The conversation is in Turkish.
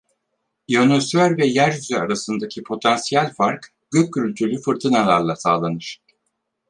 İyonosfer ve Yeryüzü arasındaki potansiyel fark gök gürültülü fırtınalarla sağlanır.